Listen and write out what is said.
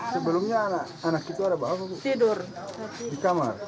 sebelumnya anak itu ada di mana